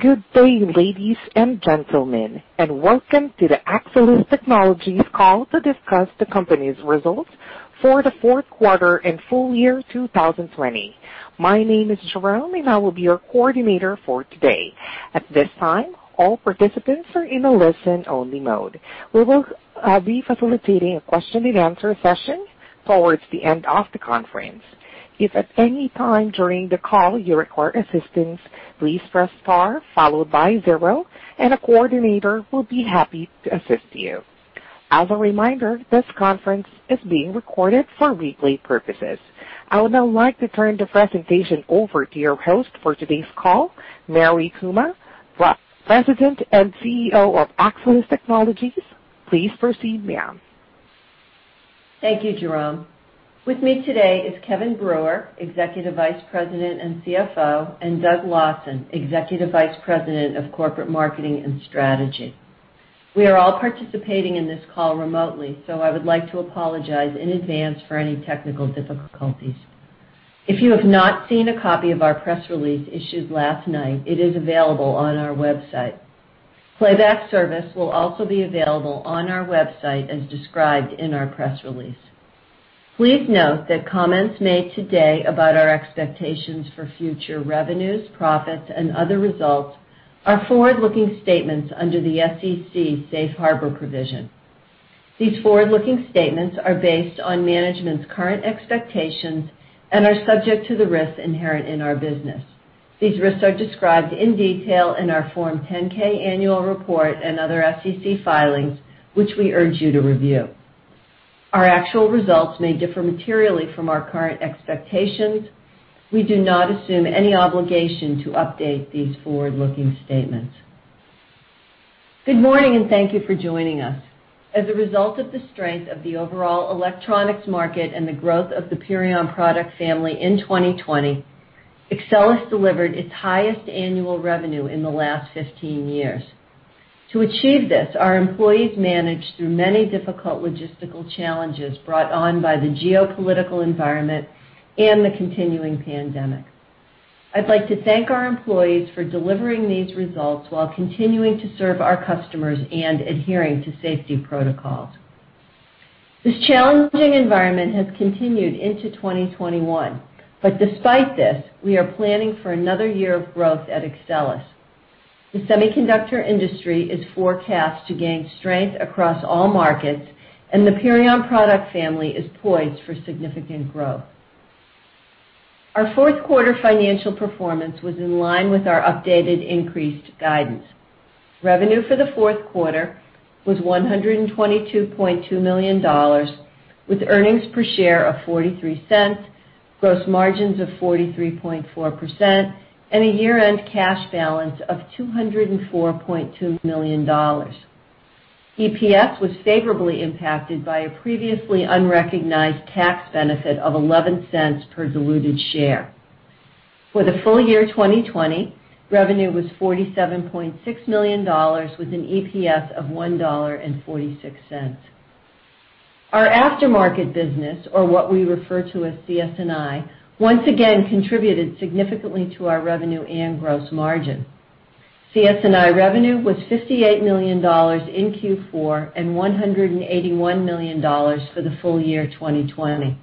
Good day, ladies and gentlemen, welcome to the Axcelis Technologies call to discuss the company's results for the fourth quarter and full year 2020. My name is Jerome, I will be your coordinator for today. At this time, all participants are in a listen-only mode. We will be facilitating a question-and-answer session towards the end of the conference. If at any time during the call you require assistance, please press star followed by zero, and a coordinator will be happy to assist you. As a reminder, this conference is being recorded for replay purposes. I would now like to turn the presentation over to your host for today's call, Mary Puma, President and CEO of Axcelis Technologies. Please proceed, ma'am. Thank you, Jerome. With me today is Kevin Brewer, Executive Vice President and CFO, and Doug Lawson, Executive Vice President of Corporate Marketing and Strategy. We are all participating in this call remotely, so I would like to apologize in advance for any technical difficulties. If you have not seen a copy of our press release issued last night, it is available on our website. Playback service will also be available on our website as described in our press release. Please note that comments made today about our expectations for future revenues, profits, and other results are forward-looking statements under the SEC safe harbor provision. These forward-looking statements are based on management's current expectations and are subject to the risks inherent in our business. These risks are described in detail in our Form 10-K annual report and other SEC filings, which we urge you to review. Our actual results may differ materially from our current expectations. We do not assume any obligation to update these forward-looking statements. Good morning, and thank you for joining us. As a result of the strength of the overall electronics market and the growth of the Purion product family in 2020, Axcelis delivered its highest annual revenue in the last 15 years. To achieve this, our employees managed through many difficult logistical challenges brought on by the geopolitical environment and the continuing pandemic. I'd like to thank our employees for delivering these results while continuing to serve our customers and adhering to safety protocols. This challenging environment has continued into 2021, but despite this, we are planning for another year of growth at Axcelis. The semiconductor industry is forecast to gain strength across all markets, and the Purion product family is poised for significant growth. Our 4th quarter financial performance was in line with our updated increased guidance. Revenue for the 4th quarter was $122.2 million with earnings per share of $0.43, gross margins of 43.4%, and a year-end cash balance of $204.2 million. EPS was favorably impacted by a previously unrecognized tax benefit of $0.11 per diluted share. For the full year 2020, revenue was $47.6 million with an EPS of $1.46. Our aftermarket business, or what we refer to as CS&I, once again contributed significantly to our revenue and gross margin. CS&I revenue was $58 million in Q4 and $181 million for the full year 2020.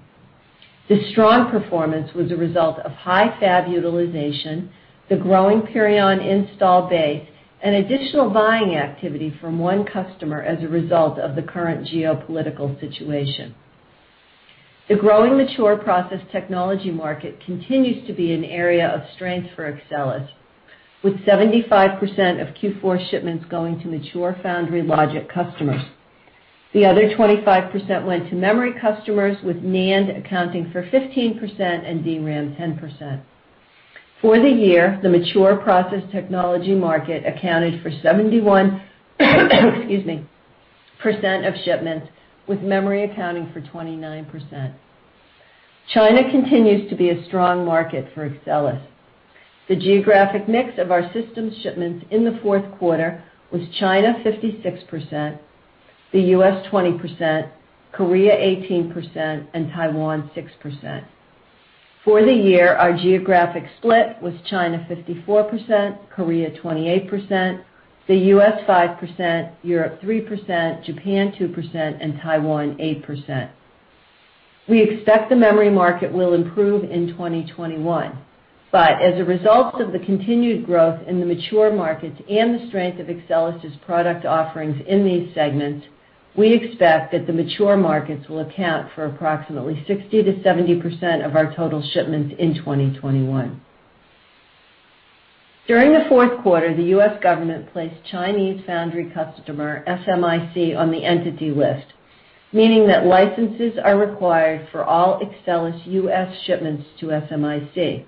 This strong performance was a result of high fab utilization, the growing Purion install base, and additional buying activity from one customer as a result of the current geopolitical situation. The growing mature process technology market continues to be an area of strength for Axcelis, with 75% of Q4 shipments going to mature foundry logic customers. The other 25% went to memory customers, with NAND accounting for 15% and DRAM 10%. For the year, the mature process technology market accounted for 71% excuse me, of shipments, with memory accounting for 29%. China continues to be a strong market for Axcelis. The geographic mix of our systems shipments in the fourth quarter was China 56%, the U.S. 20%, Korea 18%, and Taiwan 6%. For the year, our geographic split was China 54%, Korea 28%, the U.S. 5%, Europe 3%, Japan 2%, and Taiwan 8%. We expect the memory market will improve in 2021. As a result of the continued growth in the mature markets and the strength of Axcelis' product offerings in these segments, we expect that the mature markets will account for approximately 60%-70% of our total shipments in 2021. During the fourth quarter, the U.S. government placed Chinese foundry customer SMIC on the Entity List, meaning that licenses are required for all Axcelis U.S. shipments to SMIC.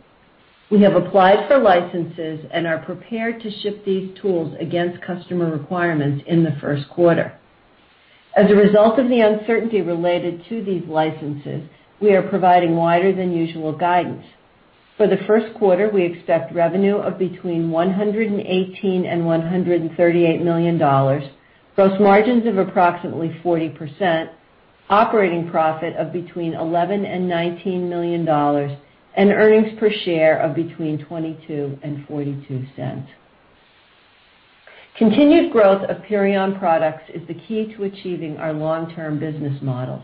We have applied for licenses and are prepared to ship these tools against customer requirements in the first quarter. As a result of the uncertainty related to these licenses, we are providing wider than usual guidance. For the first quarter, we expect revenue of between $118 million and $138 million, gross margins of approximately 40%. Operating profit of between $11 million and $19 million, and earnings per share of between $0.22 and $0.42. Continued growth of Purion products is the key to achieving our long-term business models.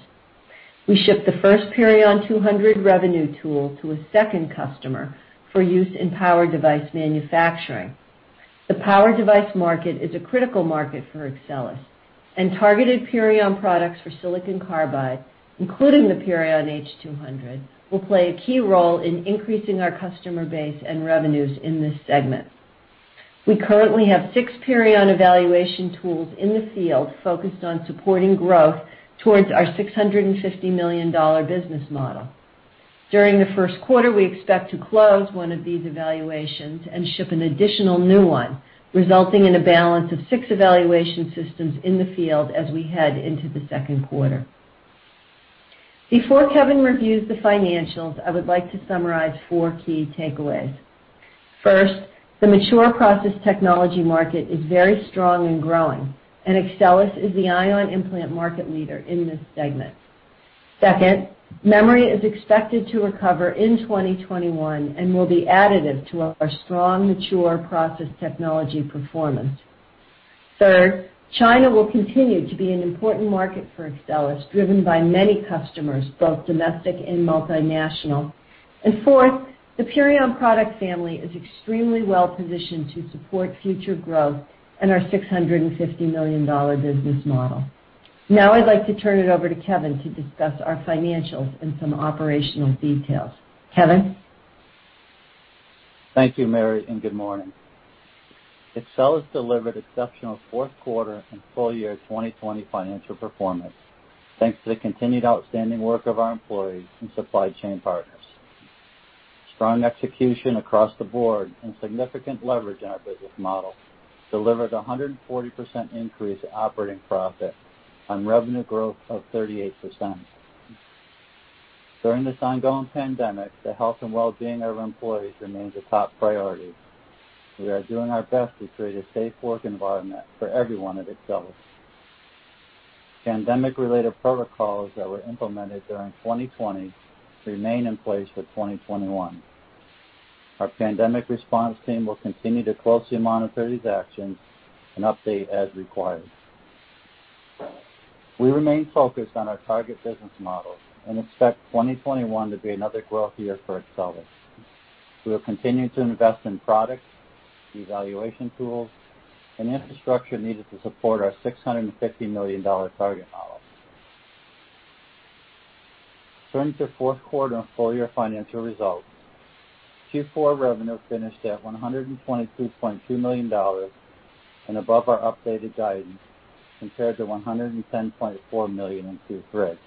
We shipped the first Purion 200 revenue tool to a second customer for use in power device manufacturing. The power device market is a critical market for Axcelis, and targeted Purion products for silicon carbide, including the Purion H200, will play a key role in increasing our customer base and revenues in this segment. We currently have six Purion evaluation tools in the field focused on supporting growth towards our $650 million business model. During the first quarter, we expect to close one of these evaluations and ship an additional new one, resulting in a balance of six evaluation systems in the field as we head into the second quarter. Before Kevin reviews the financials, I would like to summarize four key takeaways. First, the mature process technology market is very strong and growing, and Axcelis is the ion implant market leader in this segment. Second, memory is expected to recover in 2021 and will be additive to our strong mature process technology performance. Third, China will continue to be an important market for Axcelis, driven by many customers, both domestic and multinational. Fourth, the Purion product family is extremely well-positioned to support future growth in our $650 million business model. Now I'd like to turn it over to Kevin to discuss our financials and some operational details. Kevin? Thank you, Mary, and good morning. Axcelis delivered exceptional fourth quarter and full year 2020 financial performance thanks to the continued outstanding work of our employees and supply chain partners. Strong execution across the board and significant leverage in our business model delivered 140% increase in operating profit on revenue growth of 38%. During this ongoing pandemic, the health and well-being of our employees remains a top priority. We are doing our best to create a safe work environment for everyone at Axcelis. Pandemic-related protocols that were implemented during 2020 remain in place for 2021. Our pandemic response team will continue to closely monitor these actions and update as required. We remain focused on our target business models and expect 2021 to be another growth year for Axcelis. We will continue to invest in products, evaluation tools, and infrastructure needed to support our $650 million target model. Turning to fourth quarter and full-year financial results. Q4 revenue finished at $122.2 million and above our updated guidance, compared to $110.4 million in Q3.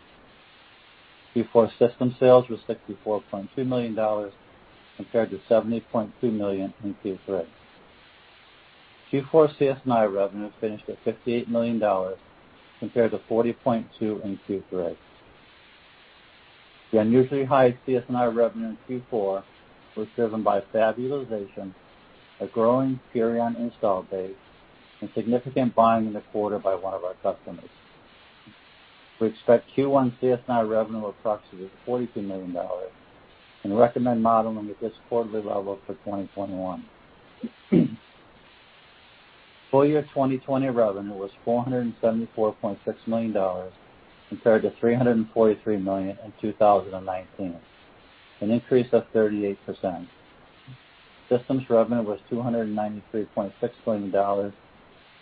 Q4 system sales was $64.2 million, compared to $70.2 million in Q3. Q4 CS&I revenue finished at $58 million, compared to $40.2 million in Q3. The unusually high CS&I revenue in Q4 was driven by fab utilization, a growing Purion install base, and significant volume in the quarter by one of our customers. We expect Q1 CS&I revenue approximately $42 million and recommend modeling at this quarterly level for 2021. Full year 2020 revenue was $474.6 million, compared to $343 million in 2019, an increase of 38%. Systems revenue was $293.6 million,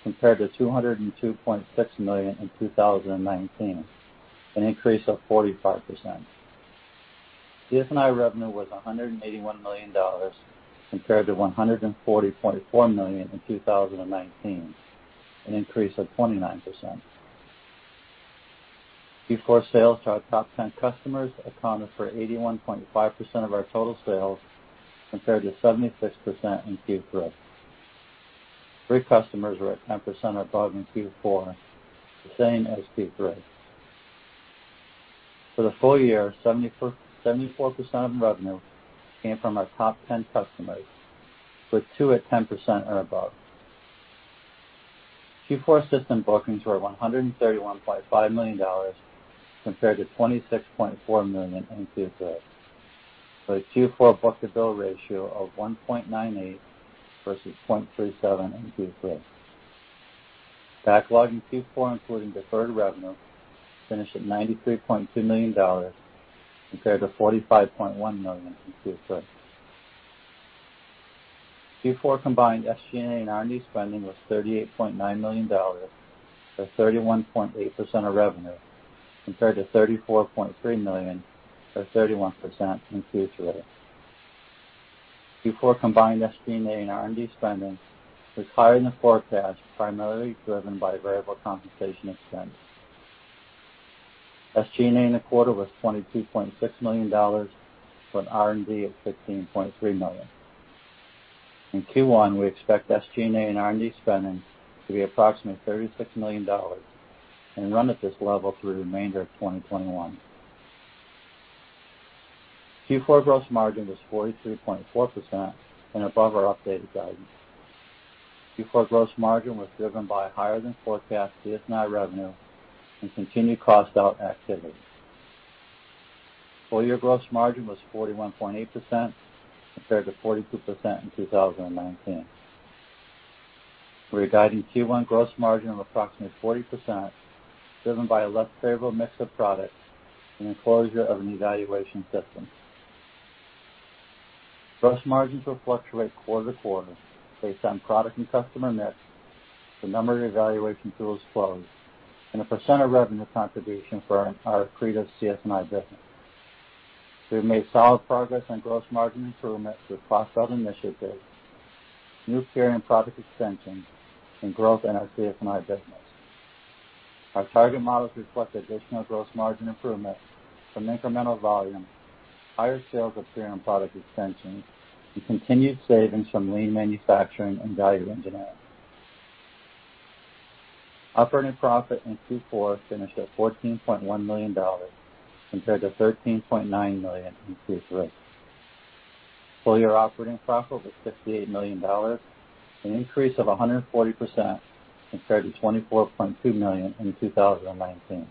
compared to $202.6 million in 2019, an increase of 45%. CS&I revenue was $181 million, compared to $140.4 million in 2019, an increase of 29%. Q4 sales to our top 10 customers accounted for 81.5% of our total sales, compared to 76% in Q3. Three customers were at 10% or above in Q4, the same as Q3. For the full year, 74% of revenue came from our top 10 customers, with two at 10% or above. Q4 system bookings were $131.5 million, compared to $26.4 million in Q3, with a Q4 book-to-bill ratio of 1.98 versus 0.37 in Q3. Backlog in Q4, including deferred revenue, finished at $93.2 million, compared to $45.1 million in Q3. Q4 combined SG&A and R&D spending was $38.9 million, or 31.8% of revenue, compared to $34.3 million, or 31%, in Q3. Q4 combined SG&A and R&D spending was higher than forecast, primarily driven by variable compensation expense. SG&A in the quarter was $22.6 million, with R&D at $15.3 million. In Q1, we expect SG&A and R&D spending to be approximately $36 million and run at this level through the remainder of 2021. Q4 gross margin was 43.4% and above our updated guidance. Q4 gross margin was driven by higher than forecast CS&I revenue and continued cost-out activity. Full-year gross margin was 41.8%, compared to 42% in 2019. We are guiding Q1 gross margin of approximately 40%, driven by a less favorable mix of products and the closure of an evaluation system. Gross margins will fluctuate quarter to quarter based on product and customer mix, the number of evaluation tools closed, and the percent of revenue contribution for our CS&I business. We have made solid progress on gross margin improvement through cost-out initiatives, new Purion product extensions, and growth in our CS&I business. Our target models reflect additional gross margin improvement from incremental volume, higher sales of Purion product extensions, and continued savings from lean manufacturing and value engineering. Operating profit in Q4 finished at $14.1 million, compared to $13.9 million in Q3. Full-year operating profit was $68 million, an increase of 140%, compared to $24.2 million in 2019.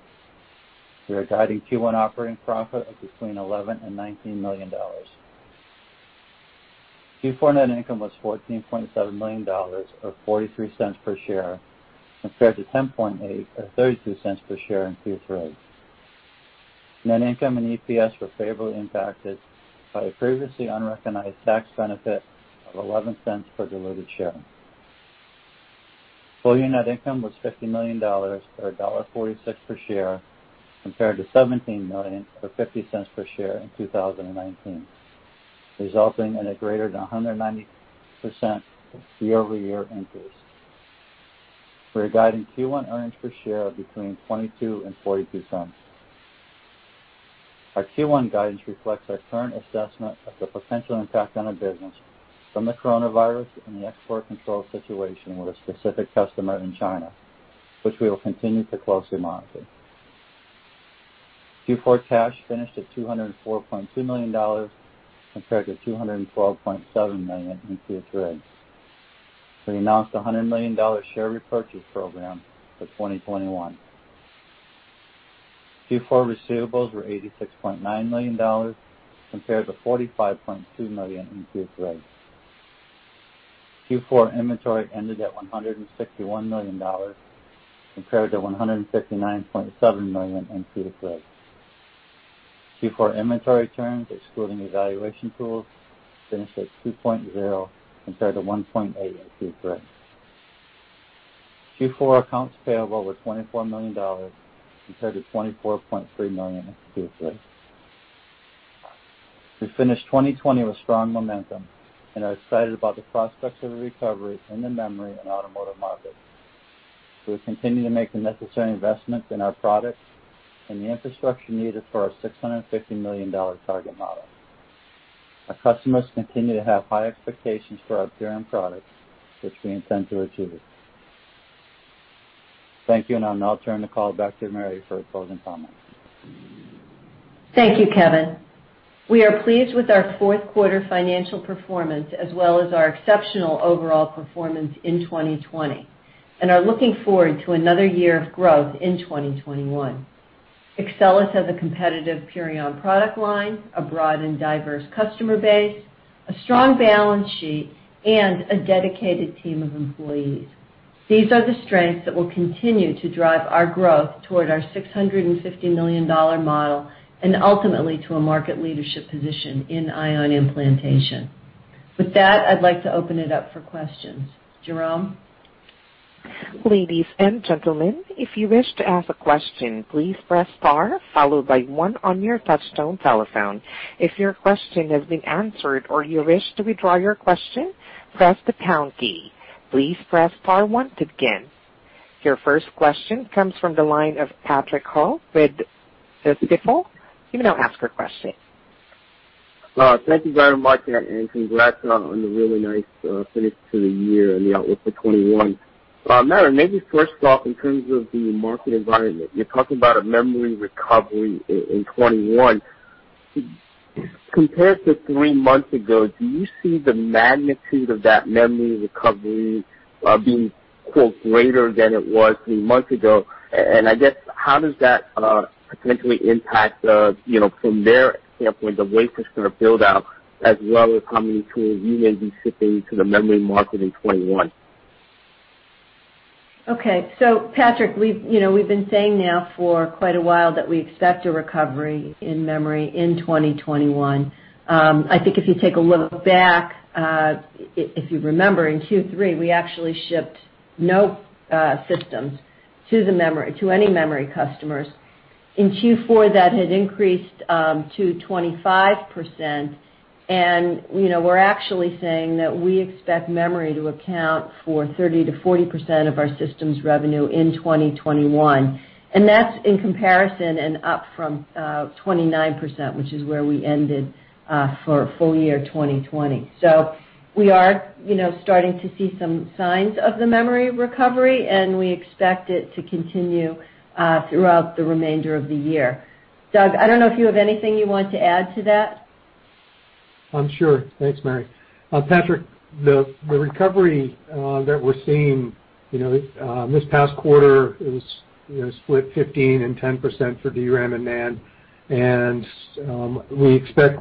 We are guiding Q1 operating profit of between $11 million and $19 million. Q4 net income was $14.7 million, or $0.43 per share, compared to $10.8 million or $0.32 per share in Q3. Net income and EPS were favorably impacted by a previously unrecognized tax benefit of $0.11 per diluted share. Full-year net income was $50 million, or $1.46 per share, compared to $17 million or $0.50 per share in 2019, resulting in a greater than 190% year-over-year increase. We are guiding Q1 earnings per share of between $0.22 and $0.42. Our Q1 guidance reflects our current assessment of the potential impact on our business from the coronavirus and the export control situation with a specific customer in China, which we will continue to closely monitor. Q4 cash finished at $204.2 million, compared to $212.7 million in Q3. We announced a $100 million share repurchase program for 2021. Q4 receivables were $86.9 million, compared to $45.2 million in Q3. Q4 inventory ended at $161 million, compared to $159.7 million in Q3. Q4 inventory turns, excluding evaluation tools, finished at 2.0, compared to 1.8 in Q3. Q4 accounts payable were $24 million, compared to $24.3 million in Q3. We finished 2020 with strong momentum and are excited about the prospects of a recovery in the memory and automotive markets. We continue to make the necessary investments in our products and the infrastructure needed for our $650 million target model. Our customers continue to have high expectations for our Purion products, which we intend to achieve. Thank you, and I'll now turn the call back to Mary for closing comments. Thank you, Kevin. We are pleased with our fourth quarter financial performance as well as our exceptional overall performance in 2020 and are looking forward to another year of growth in 2021. Axcelis has a competitive Purion product line, a broad and diverse customer base, a strong balance sheet, and a dedicated team of employees. These are the strengths that will continue to drive our growth toward our $650 million model and ultimately to a market leadership position in ion implantation. With that, I'd like to open it up for questions. Jerome? Your first question comes from the line of Patrick Ho with Stifel. You may now ask your question. Thank you very much, congrats on the really nice finish to the year and the outlook for 2021. Mary, maybe first off, in terms of the market environment, you're talking about a memory recovery in 2021. Compared to three months ago, do you see the magnitude of that memory recovery being, quote, "greater than it was three months ago"? I guess how does that potentially impact, from their standpoint, the wafer start build-out, as well as how many tools you may be shipping to the memory market in 2021? Okay. Patrick, we've been saying now for quite a while that we expect a recovery in memory in 2021. I think if you take a look back, if you remember, in Q3, we actually shipped no systems to any memory customers. In Q4, that had increased to 25%, and we're actually saying that we expect memory to account for 30%-40% of our systems revenue in 2021. That's in comparison and up from 29%, which is where we ended for full year 2020. We are starting to see some signs of the memory recovery, and we expect it to continue throughout the remainder of the year. Doug, I don't know if you have anything you want to add to that. Sure. Thanks, Mary. Patrick, the recovery that we're seeing this past quarter is split 15% and 10% for DRAM and NAND.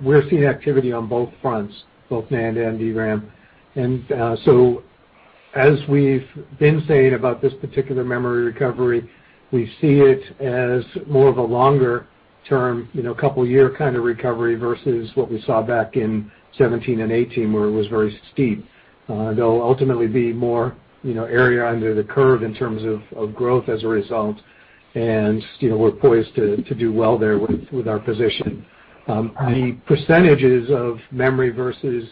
We're seeing activity on both fronts, both NAND and DRAM. As we've been saying about this particular memory recovery, we see it as more of a longer-term, couple of year kind of recovery versus what we saw back in 2017 and 2018, where it was very steep. There'll ultimately be more area under the curve in terms of growth as a result, and we're poised to do well there with our position. The percentages of memory versus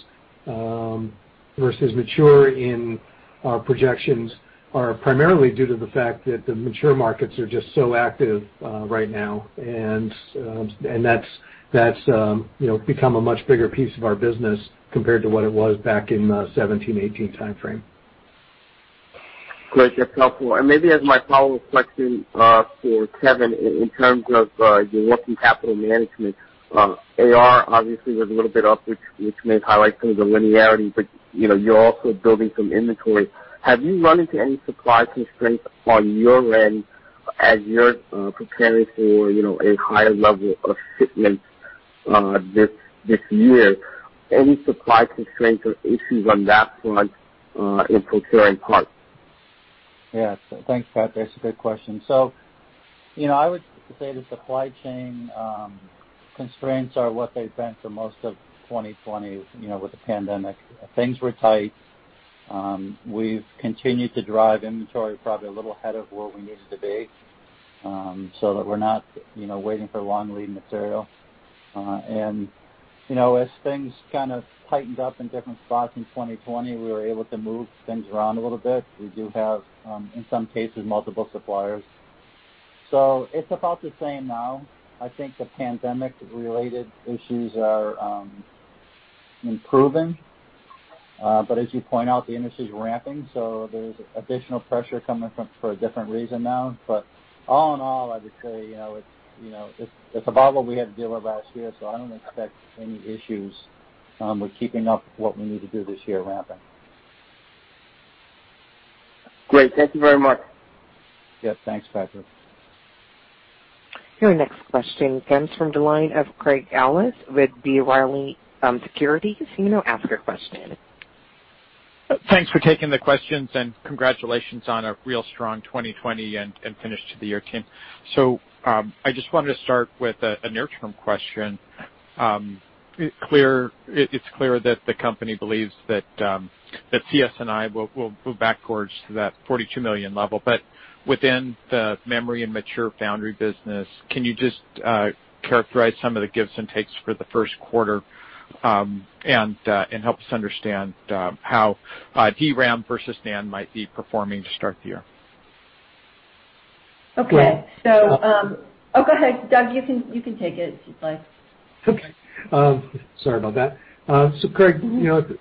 mature in our projections are primarily due to the fact that the mature markets are just so active right now, and that's become a much bigger piece of our business compared to what it was back in the 2017, 2018 timeframe. Great. That's helpful. Maybe as my follow-up question for Kevin, in terms of your working capital management, AR, obviously, was a little bit up, which may highlight some of the linearity, but you're also building some inventory. Have you run into any supply constraints on your end as you're preparing for a higher level of shipments this year? Any supply constraints or issues on that front in procuring parts? Yes. Thanks, Patrick. That's a good question. I would say the supply chain constraints are what they've been for most of 2020, with the pandemic. Things were tight. We've continued to drive inventory probably a little ahead of where we needed to be, so that we're not waiting for long lead material. As things kind of tightened up in different spots in 2020, we were able to move things around a little bit. We do have, in some cases, multiple suppliers. It's about the same now. I think the pandemic-related issues are improving. As you point out, the industry's ramping, there's additional pressure coming from for a different reason now. All in all, I would say, it's about what we had to deal with last year, I don't expect any issues with keeping up what we need to do this year ramping. Great. Thank you very much. Yeah. Thanks, Patrick. Your next question comes from the line of Craig Ellis with B. Riley Securities. You may now ask your question. Thanks for taking the questions, and congratulations on a real strong 2020 and finish to the year, team. I just wanted to start with a near-term question. It's clear that the company believes that CS&I will move back towards to that $42 million level. Within the memory and mature foundry business, can you just characterize some of the gives and takes for the first quarter, and help us understand how DRAM versus NAND might be performing to start the year? Go ahead. Okay. Oh, go ahead, Doug. You can take it if you'd like. Okay. Sorry about that. Craig,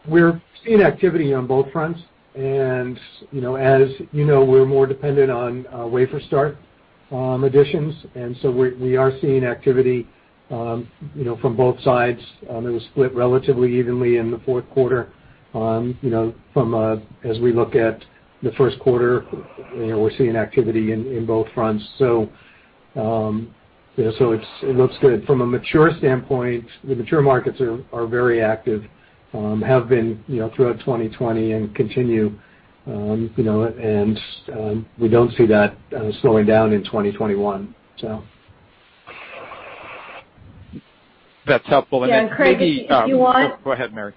we're seeing activity on both fronts, and as you know, we're more dependent on wafer start additions. We are seeing activity from both sides. It was split relatively evenly in the fourth quarter. As we look at the first quarter, we're seeing activity in both fronts. It looks good. From a mature standpoint, the mature markets are very active, have been throughout 2020, and continue, and we don't see that slowing down in 2021. That's helpful. Yeah, Craig, if you want. Go ahead, Mary.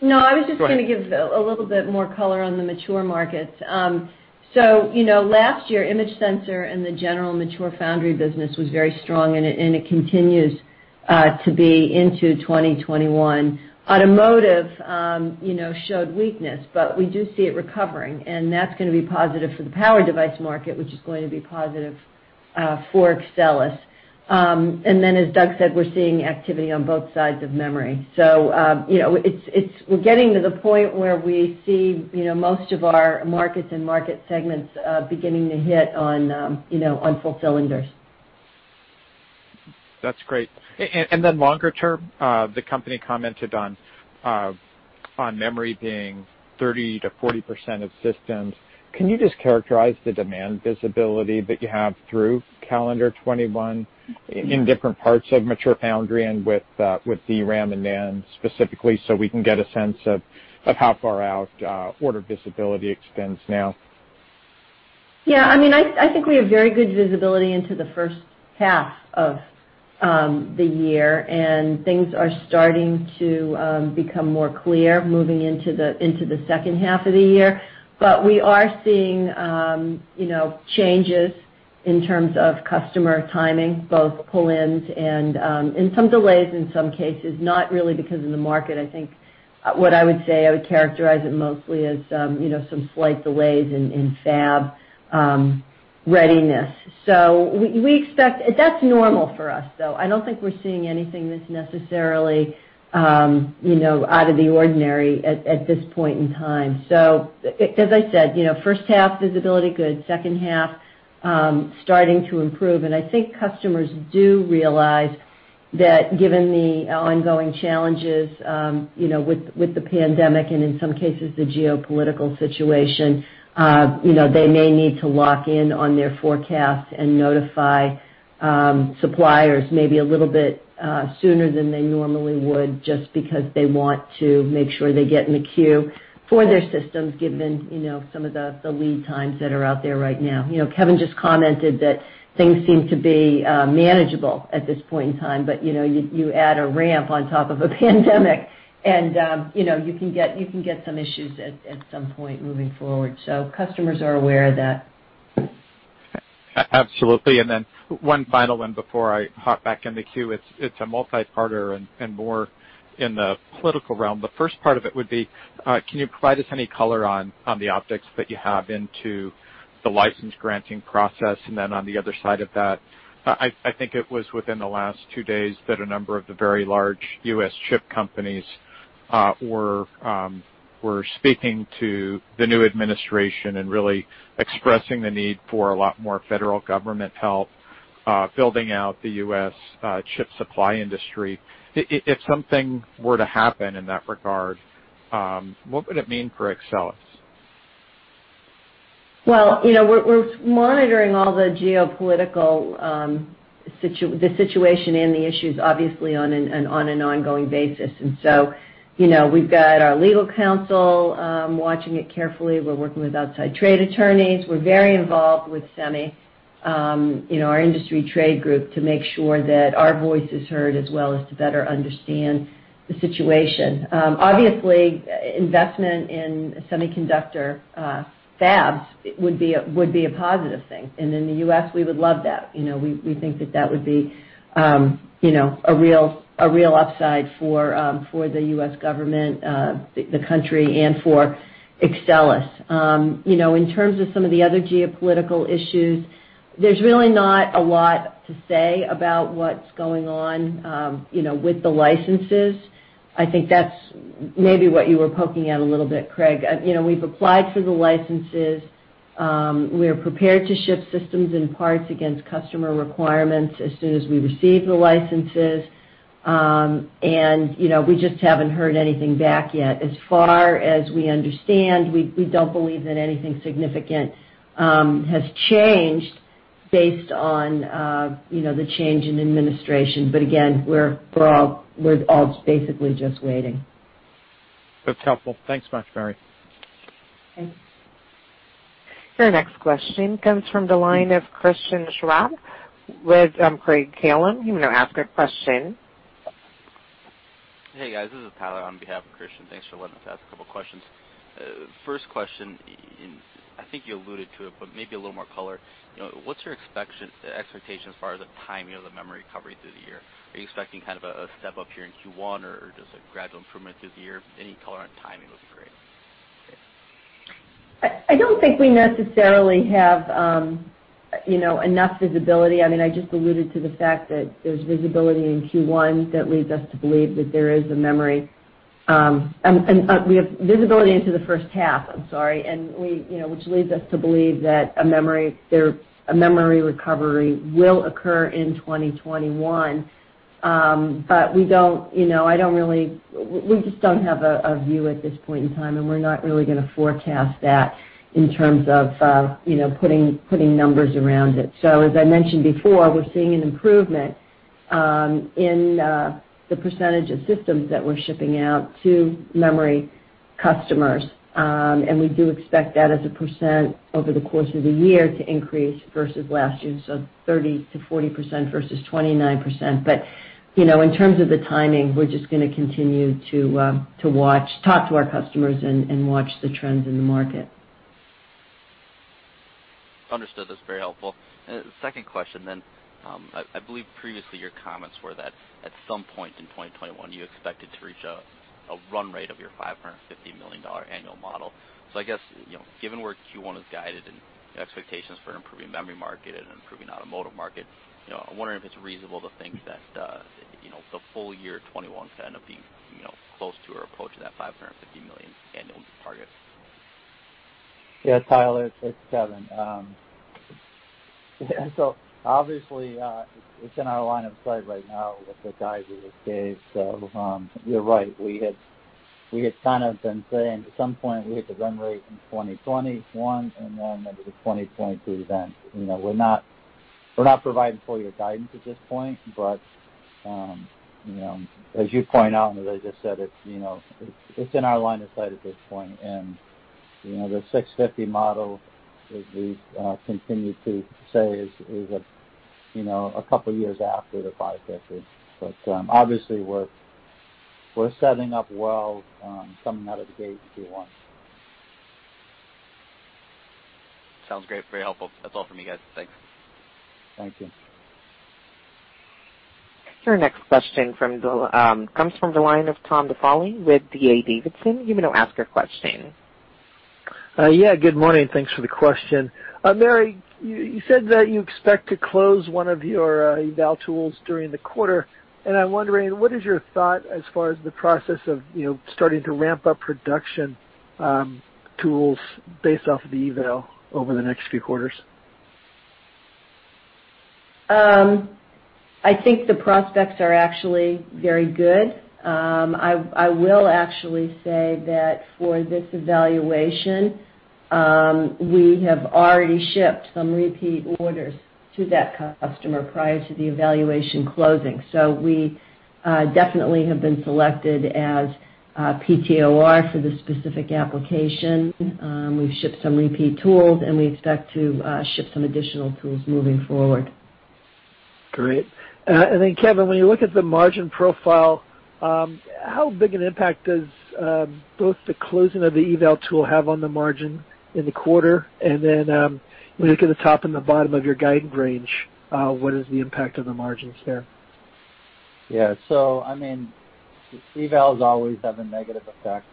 I was just going to give a little bit more color on the mature markets. Last year, image sensor and the general mature foundry business was very strong, and it continues to be into 2021. Automotive showed weakness, we do see it recovering, that's going to be positive for the power device market, which is going to be positive for Axcelis. As Doug said, we're seeing activity on both sides of memory. We're getting to the point where we see most of our markets and market segments beginning to hit on full cylinders. That's great. Longer term, the company commented on memory being 30% to 40% of systems. Can you just characterize the demand visibility that you have through calendar 2021 in different parts of mature foundry and with DRAM and NAND specifically so we can get a sense of how far out order visibility extends now? I think we have very good visibility into the first half of the year, and things are starting to become more clear moving into the second half of the year. We are seeing changes in terms of customer timing, both pull-ins and some delays in some cases, not really because of the market, I think. What I would say, I would characterize it mostly as some slight delays in fab readiness. That's normal for us, though. I don't think we're seeing anything that's necessarily out of the ordinary at this point in time. As I said, first half visibility good, second half starting to improve. I think customers do realize that given the ongoing challenges with the pandemic and in some cases the geopolitical situation, they may need to lock in on their forecasts and notify suppliers maybe a little bit sooner than they normally would, just because they want to make sure they get in the queue for their systems, given some of the lead times that are out there right now. Kevin just commented that things seem to be manageable at this point in time, but you add a ramp on top of a pandemic and you can get some issues at some point moving forward. Customers are aware of that. Absolutely. Then one final one before I hop back in the queue. It's a multi-parter and more in the political realm. The first part of it would be, can you provide us any color on the optics that you have into the license granting process? Then on the other side of that, I think it was within the last two days that a number of the very large U.S. chip companies were speaking to the new administration and really expressing the need for a lot more federal government help building out the U.S. chip supply industry. If something were to happen in that regard, what would it mean for Axcelis? Well, we're monitoring all the geopolitical situation and the issues, obviously, on an ongoing basis. We've got our legal counsel watching it carefully. We're working with outside trade attorneys. We're very involved with SEMI, our industry trade group, to make sure that our voice is heard as well as to better understand the situation. Obviously, investment in semiconductor fabs would be a positive thing. In the U.S., we would love that. We think that that would be a real upside for the U.S. government, the country, and for Axcelis. In terms of some of the other geopolitical issues, there's really not a lot to say about what's going on with the licenses. I think that's maybe what you were poking at a little bit, Craig. We've applied for the licenses. We are prepared to ship systems and parts against customer requirements as soon as we receive the licenses. We just haven't heard anything back yet. As far as we understand, we don't believe that anything significant has changed based on the change in administration. Again, we're all basically just waiting. That's helpful. Thanks much, Mary. Thanks. Your next question comes from the line of Christian Schwab with Craig-Hallum. You may now ask your question. Hey, guys. This is Tyler on behalf of Christian. Thanks for letting us ask a couple questions. First question, I think you alluded to it, but maybe a little more color. What's your expectation as far as the timing of the memory recovery through the year? Are you expecting kind of a step up here in Q1, or just a gradual improvement through the year? Any color on timing would be great. I don't think we necessarily have enough visibility. I just alluded to the fact that there's visibility in Q1 that leads us to believe that there is a memory--. We have visibility into the first half, I'm sorry, which leads us to believe that a memory recovery will occur in 2021. We just don't have a view at this point in time, and we're not really going to forecast that in terms of putting numbers around it. As I mentioned before, we're seeing an improvement in the percentage of systems that we're shipping out to memory customers. We do expect that as a percent over the course of the year to increase versus last year. 30%-40% versus 29%. In terms of the timing, we're just going to continue to watch, talk to our customers, and watch the trends in the market. Understood. That's very helpful. Second question, then. I believe previously your comments were that at some point in 2021, you expected to reach a run rate of your $550 million annual model. I guess, given where Q1 is guided and expectations for an improving memory market and an improving automotive market, I'm wondering if it's reasonable to think that the full year of 2021 is going to end up being close to or approaching that $550 million annual target. Yeah, Tyler, it's Kevin. Obviously, it's in our line of sight right now with the guidance we just gave. You're right, we had kind of been saying at some point we hit the run rate in 2021, and then into the 2022 event. We're not providing full-year guidance at this point, but as you point out, and as I just said, it's in our line of sight at this point. The 650 model, as we've continued to say, is a couple years after the 550. Obviously, we're setting up well coming out of the gate in Q1. Sounds great. Very helpful. That's all from me, guys. Thanks. Thank you. Your next question comes from the line of Tom Diffely with D.A. Davidson. You may now ask your question. Yeah, good morning. Thanks for the question. Mary, you said that you expect to close one of your eval tools during the quarter, and I'm wondering, what is your thought as far as the process of starting to ramp up production tools based off of the eval over the next few quarters? I think the prospects are actually very good. I will actually say that for this evaluation, we have already shipped some repeat orders to that customer prior to the evaluation closing. We definitely have been selected as PTOR for this specific application. We've shipped some repeat tools, and we expect to ship some additional tools moving forward. Great. Kevin, when you look at the margin profile, how big an impact does both the closing of the eval tool have on the margin in the quarter? When you look at the top and the bottom of your guidance range, what is the impact on the margins there? The evals always have a negative effect.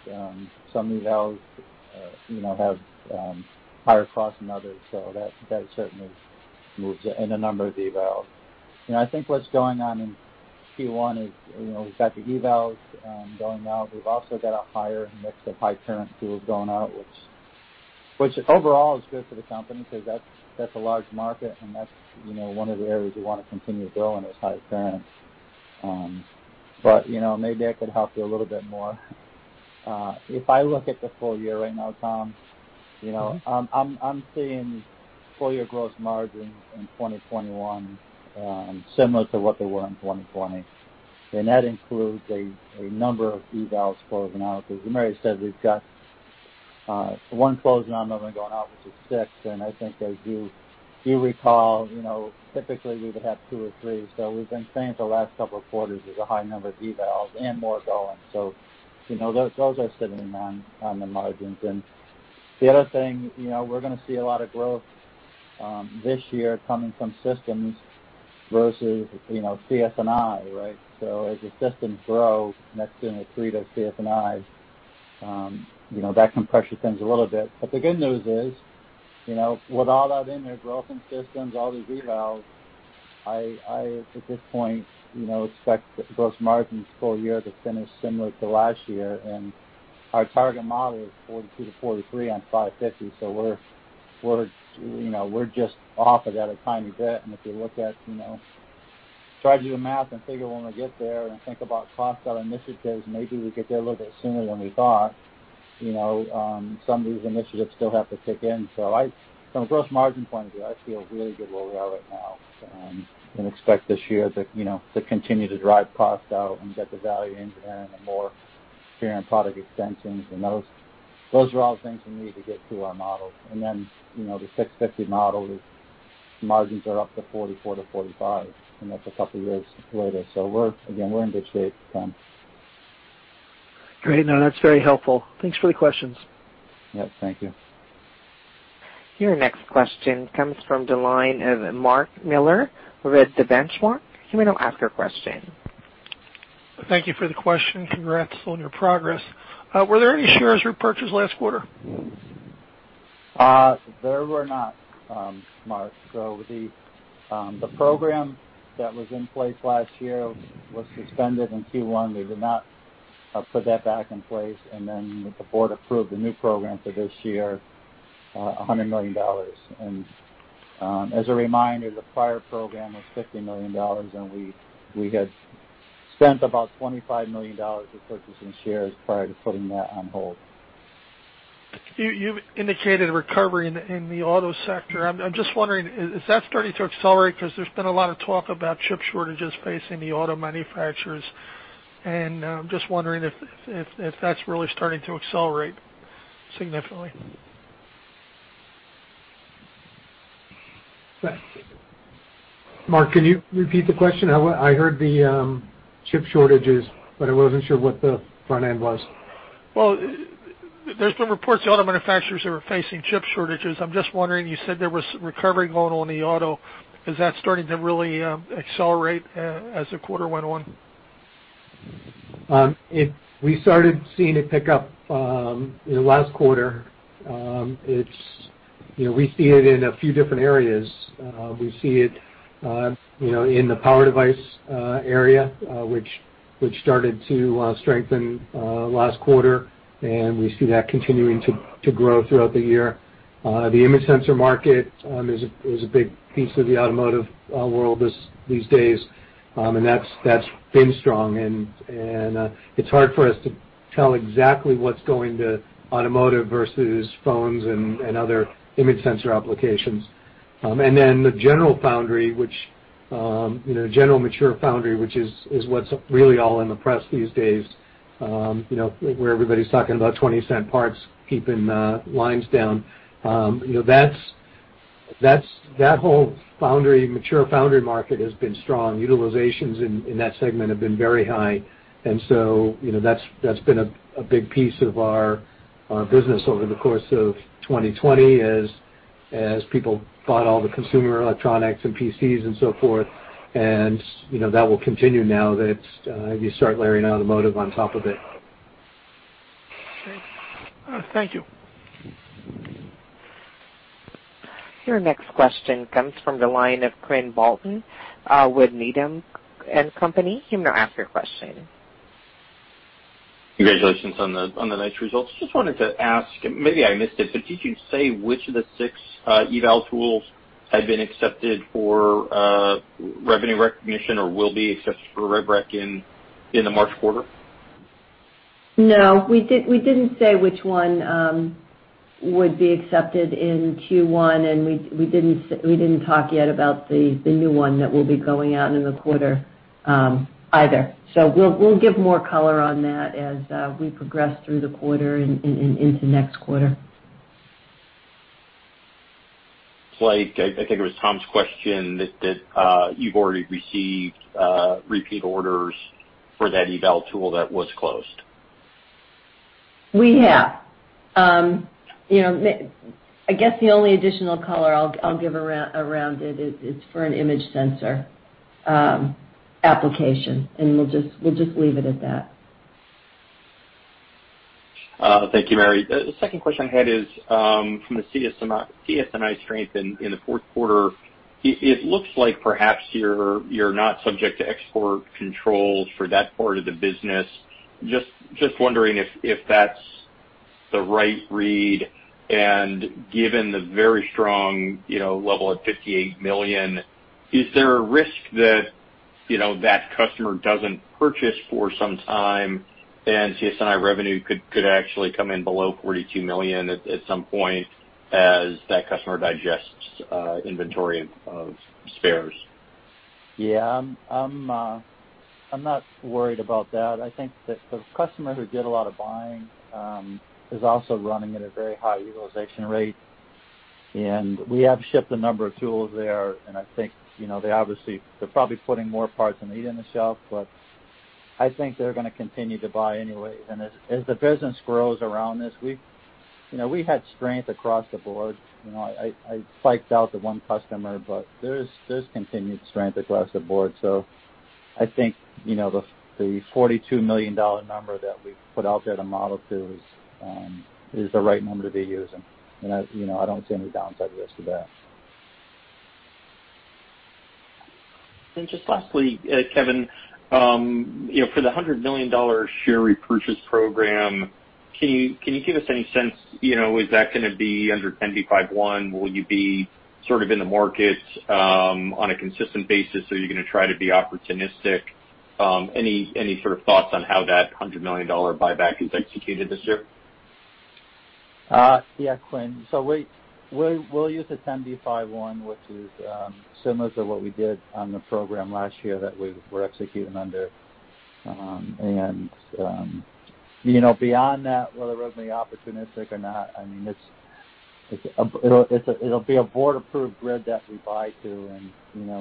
Some evals have higher costs than others, that certainly moves it in a number of evals. I think what's going on in Q1 is, we've got the evals going out. We've also got a higher mix of high current tools going out, which overall is good for the company because that's a large market, and that's one of the areas we want to continue to grow in is high current. Maybe I could help you a little bit more. If I look at the full year right now, Tom Diffely, I'm seeing full year gross margins in 2021 similar to what they were in 2020. That includes a number of evals closing out, because as Mary Puma said, we've got one closing on them and going out, which is six. I think as you recall, typically we would have two or three. We've been saying for the last couple of quarters there's a high number of evals and more going. Those are sitting on the margins. The other thing, we're going to see a lot of growth this year coming from systems versus CS&I, right? As the systems grow, next thing they treat us CS&Is, that can pressure things a little bit. The good news is, with all that in there, growth in systems, all these evals, I, at this point, expect gross margins full year to finish similar to last year. Our target model is 42%-43% on $550. We're just off of that a tiny bit, and if you try to do the math and figure when we get there and think about cost dollar initiatives, maybe we get there a little bit sooner than we thought. Some of these initiatives still have to kick in. From a gross margin point of view, I feel really good where we are right now, and expect this year to continue to drive cost out and get the value engineering and more current product extensions and those. Those are all things we need to get to our model. Then, the $650 model margins are up to 44%-45%, and that's a couple of years later. We're, again, we're in good shape, Tom. Great. No, that's very helpful. Thanks for the questions. Yeah, thank you. Your next question comes from the line of Mark Miller with The Benchmark. You may now ask your question. Thank you for the question. Congrats on your progress. Were there any shares repurchased last quarter? There were not, Mark. The program that was in place last year was suspended in Q1. We did not put that back in place, the Board approved a new program for this year, $100 million. As a reminder, the prior program was $50 million, and we had spent about $25 million for purchasing shares prior to putting that on hold. You indicated recovery in the auto sector. I'm just wondering, is that starting to accelerate? Because there's been a lot of talk about chip shortages facing the auto manufacturers, and I'm just wondering if that's really starting to accelerate significantly. Mark, can you repeat the question? I heard the chip shortages, but I wasn't sure what the front end was. There's been reports the auto manufacturers are facing chip shortages. I'm just wondering, you said there was recovery going on in the auto. Is that starting to really accelerate as the quarter went on? We started seeing it pick up in the last quarter. We see it in a few different areas. We see it in the power device area, which started to strengthen last quarter, and we see that continuing to grow throughout the year. The image sensor market is a big piece of the automotive world these days, and that's been strong, and it's hard for us to tell exactly what's going to automotive versus phones and other image sensor applications. The general foundry, general mature foundry, which is what's really all in the press these days, where everybody's talking about $0.20 parts keeping lines down. That whole mature foundry market has been strong. Utilizations in that segment have been very high, and so that's been a big piece of our business over the course of 2020 as people bought all the consumer electronics and PCs and so forth, and that will continue now that you start layering automotive on top of it. Okay. Thank you. Your next question comes from the line of Quinn Bolton with Needham & Company. Congratulations on the nice results. Just wanted to ask, maybe I missed it, but did you say which of the six eval tools had been accepted for revenue recognition or will be accepted for rev rec in the March quarter? No. We didn't say which one would be accepted in Q1, and we didn't talk yet about the new one that will be going out in the quarter either. We'll give more color on that as we progress through the quarter and into next quarter. It's like, I think it was Tom's question, that you've already received repeat orders for that eval tool that was closed. We have. I guess the only additional color I'll give around it is for an image sensor application, and we'll just leave it at that. Thank you, Mary. The second question I had is from the CS&I strength in the fourth quarter. It looks like perhaps you're not subject to export controls for that part of the business. Just wondering if that's the right read, and given the very strong level at $58 million, is there a risk that that customer doesn't purchase for some time, and CS&I revenue could actually come in below $42 million at some point as that customer digests inventory of spares? I'm not worried about that. I think that the customer who did a lot of buying is also running at a very high utilization rate. We have shipped a number of tools there. I think they're probably putting more parts than they need on the shelf. I think they're going to continue to buy anyway. As the business grows around this week, we had strained across the board I psyched out the one customer. There's continued strength across the board. I think the $42 million number that we put out there to model to is the right number to be using. I don't see any downside risk to that. Just lastly, Kevin, for the $100 million share repurchase program, can you give us any sense, is that going to be under 10b5-1? Will you be sort of in the market on a consistent basis, or are you going to try to be opportunistic? Any sort of thoughts on how that $100 million buyback is executed this year? Yeah, Quinn. We'll use the Rule 10b5-1, which is similar to what we did on the program last year that we were executing under. Beyond that, whether it was any opportunistic or not, it'll be a board-approved grid that we buy to, and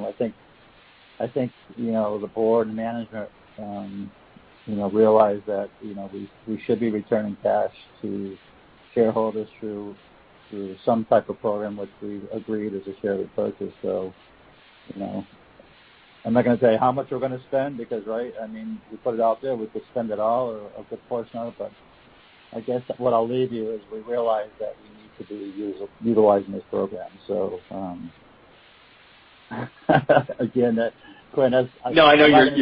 I think the board management realized that we should be returning cash to shareholders through some type of program, which we've agreed is a share repurchase. I'm not going to say how much we're going to spend because, I mean, we put it out there, we could spend it all or a good portion of it. I guess what I'll leave you is we realize that we need to be utilizing this program. Again, Quinn. I know you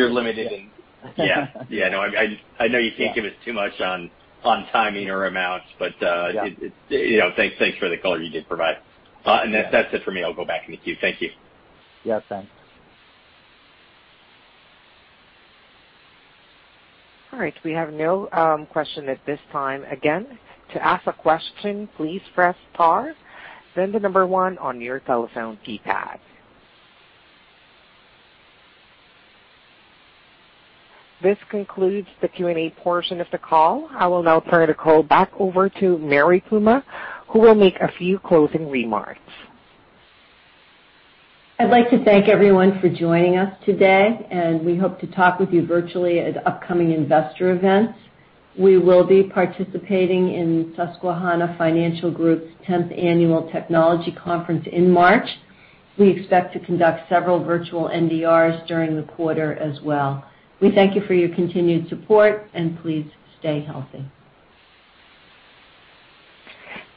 can't give us too much on timing or amounts, but thanks for the color you did provide. That's it for me. I'll go back in the queue. Thank you. Yeah, thanks. All right. We have no question at this time. This concludes the Q&A portion of the call. I will now turn the call back over to Mary Puma, who will make a few closing remarks. I'd like to thank everyone for joining us today, and we hope to talk with you virtually at upcoming investor events. We will be participating in Susquehanna Financial Group's 10th Annual Technology Conference in March. We expect to conduct several virtual NDRs during the quarter as well. We thank you for your continued support, and please stay healthy.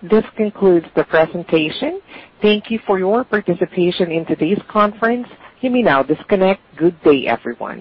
This concludes the presentation. Thank you for your participation in today's conference. You may now disconnect. Good day, everyone.